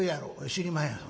「知りまへん。